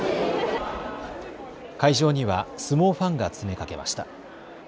会場には相撲ファンが詰めかけました。